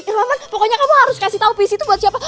pokoknya kamu harus kasih tahu puisi itu buat siapa